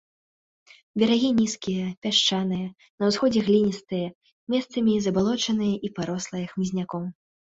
Берагі нізкія, пясчаныя, на ўсходзе гліністыя, месцамі забалочаныя і парослыя хмызняком.